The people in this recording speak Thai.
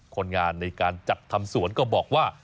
คนงานในการจัดทำสวนก็บอกว่า